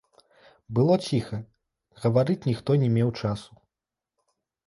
Было ціха, гаварыць ніхто не меў часу.